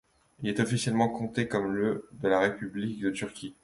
Il est officiellement compté comme le de la République de Turquie.